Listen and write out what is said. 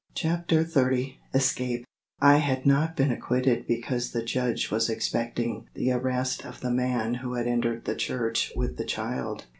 CHAPTER XXX ESCAPE I had not been acquitted because the judge was expecting the arrest of the man who had entered the church with the child.